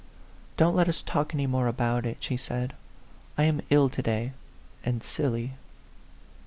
"Don't let us talk any more about it," she said. " I am ill to day, and silly."